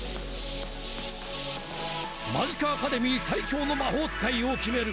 マジカアカデミー最強の魔法使いを決める